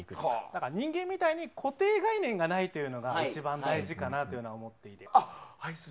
だから、人間みたいに固定概念がないというのが一番大事かなと思います。